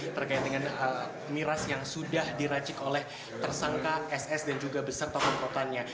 terkait dengan miras yang sudah diracik oleh tersangka ss dan juga beserta komplotannya